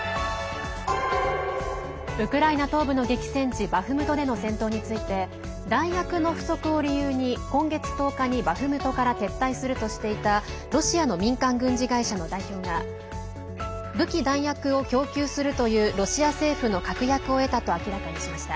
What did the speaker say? ウクライナ東部の激戦地バフムトでの戦闘について弾薬の不足を理由に今月１０日にバフムトから撤退するとしていたロシアの民間軍事会社の代表が武器弾薬を供給するというロシア政府の確約を得たと明らかにしました。